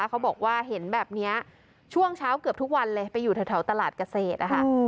เขาบอกว่าเห็นแบบนี้ช่วงเช้าเกือบทุกวันเลยไปอยู่แถวตลาดเกษตรนะคะ